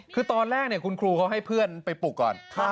คือตอนแรกคุณครูเขาให้เพื่อนไปปลุกก่อน